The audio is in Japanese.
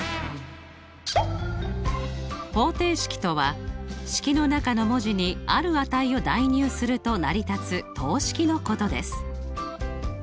方程式とは式の中の文字にある値を代入すると成り立つ等式のことです。